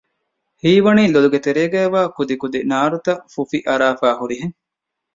ހީވަނީ ލޮލުގެ ތެރޭގައިވާ ކުދިކުދި ނާރުތަށް ފުފި އަރާފައި ހުރިހެން